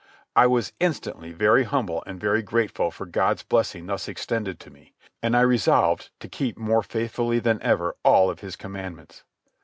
I was instantly very humble and very grateful for God's blessing thus extended to me; and I resolved to keep more faithfully than ever all of His commandments.